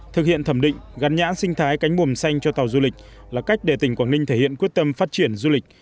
thực hiện thẩm định gắn nhãn sinh thái cánh buồm xanh cho tàu du lịch là cách để tỉnh quảng ninh thể hiện quyết tâm phát triển du lịch